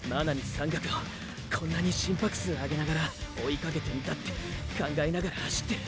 山岳をこんなに心拍数上げながら追いかけてんだって考えながら走ってる。